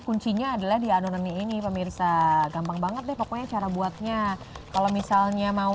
kuncinya adalah di anoni ini pemirsa gampang banget deh pokoknya cara buatnya kalau misalnya mau